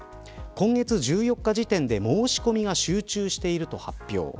今月１４日時点で申し込みが集中していると発表。